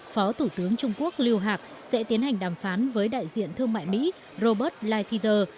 phó thủ tướng trung quốc lưu hạc sẽ tiến hành đàm phán với đại diện thương mại mỹ robert lighthizer